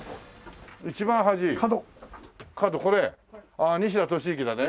ああ西田敏行だね。